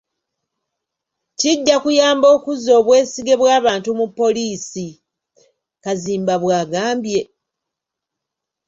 "Kijja kuyamba okuzza obwesige bw’abantu mu poliisi.” Kazimba bw’agambye.